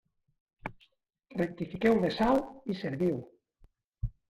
Rectifiqueu de sal i serviu.